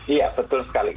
iya betul sekali